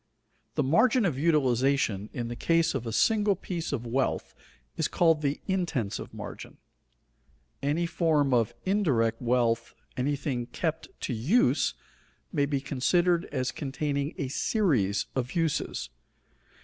_ The margin of utilization in the case of a single piece of wealth is called the intensive margin. Any form of indirect wealth, anything kept to use, may be considered as containing a series of uses.